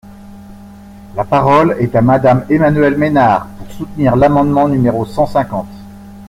La parole est à Madame Emmanuelle Ménard, pour soutenir l’amendement numéro cent cinquante.